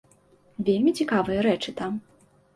Вельмі цікавыя рэчы там.